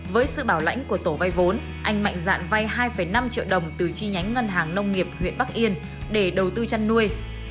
với sự bảo lãnh của tổ vay vốn anh mạnh dạn vay hai năm triệu đồng từ chi nhánh ngân hàng nông nghiệp huyện bắc yên để đầu tư chăn nuôi